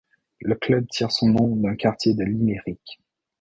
Le club tire son nom d'un quartier de Limerick.